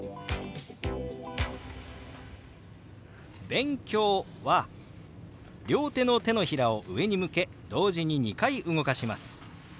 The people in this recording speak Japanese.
「勉強」は両手の手のひらを上に向け同時に２回動かします。